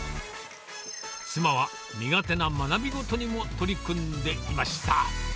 妻は苦手な学び事にも取り組んでいました。